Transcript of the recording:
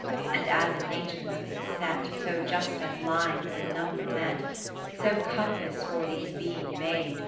XII And as in Nature nothing 's set So just as lines in number met ; So Compasses for these b'ing made.